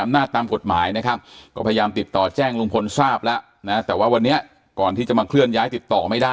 มันจะมีปัญหา